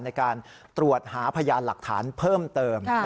ในการตรวจหาพยานหลักฐานเพิ่มเติม